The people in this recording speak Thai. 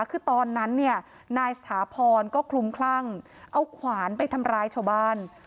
คือตอนนั้นเนี่ยนายสถาพรก็คลุมคลั่งเอาขวานไปทำร้ายชาวบ้าน